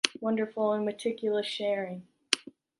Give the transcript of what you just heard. Wonderful and meticulous sharing.